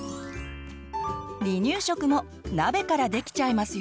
離乳食も鍋からできちゃいますよ。